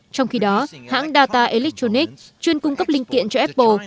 trong khi đó hãng data electronic chuyên cung cấp linh kiện cho apple